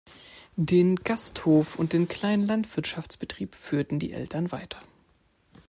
Den Gasthof und den kleinen Landwirtschaftsbetrieb führten die Eltern weiter.